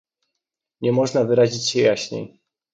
Nie można wyrazić się jaśniej